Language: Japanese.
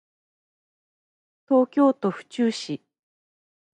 東京都府中市